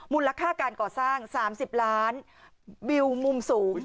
มูลค่าการก่อสร้าง๓๐ล้านวิวมุมสูง